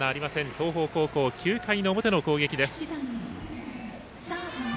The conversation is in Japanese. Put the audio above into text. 東邦高校、９回の表の攻撃です。